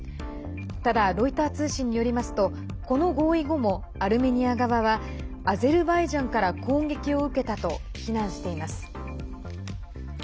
ただ、ロイター通信によりますとこの合意後もアルメニア側はアゼルバイジャンから攻撃を受けたと非難しています。